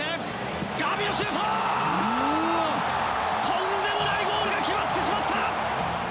とんでもないゴールが決まってしまった！